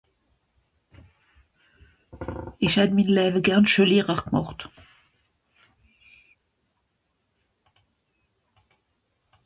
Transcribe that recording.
ìsch hän min läwe gern schuellehrer gemàcht